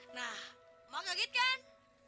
nah mak kaget kan